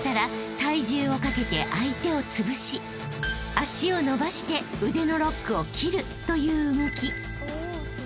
［脚を伸ばして腕のロックを切るという動き］